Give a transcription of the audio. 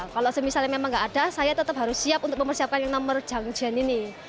kalau misalnya memang nggak ada saya tetap harus siap untuk mempersiapkan yang nomor junggen ini